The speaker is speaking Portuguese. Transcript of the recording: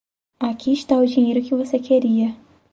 Aqui está o dinheiro que você queria.